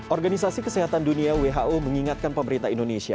organisasi kesehatan dunia who mengingatkan pemerintah indonesia